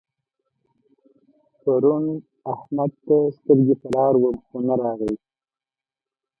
پرون احمد ته سترګې پر لار وم خو نه راغی.